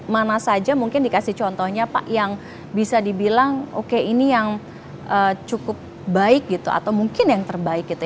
mana saja mungkin dikasih contohnya pak yang bisa dibilang oke ini yang cukup baik gitu atau mungkin yang terbaik gitu